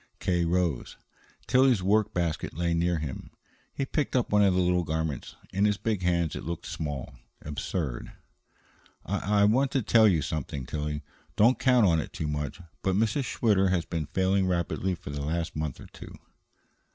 K. rose. Tillie's work basket lay near him. He picked up one of the little garments. In his big hands it looked small, absurd. "I I want to tell you something, Tillie. Don't count on it too much; but Mrs. Schwitter has been failing rapidly for the last month or two."